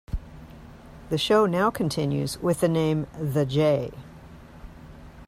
The show now continues with the name The J.